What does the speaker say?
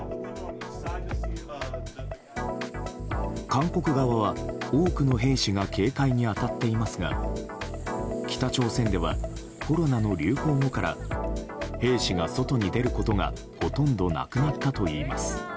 韓国側は多くの兵士が警戒に当たっていますが北朝鮮ではコロナの流行後から兵士が外に出ることがほとんどなくなったといいます。